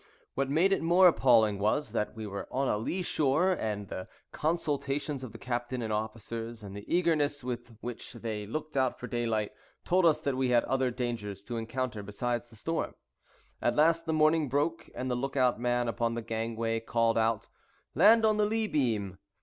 What made it more appalling was, that we were on a lee shore, and the consultations of the captain and officers, and the eagerness with which they looked out for daylight, told us that we had other dangers to encounter besides the storm. At last the morning broke, and the look out man upon the gangway called out, "Land on the lee beam!"